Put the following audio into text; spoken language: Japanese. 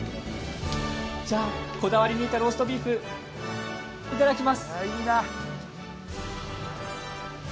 じゃ、こだわり抜いたローストビーフ、いただきます。